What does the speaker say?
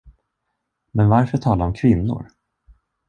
Men varför tala om kvinnor?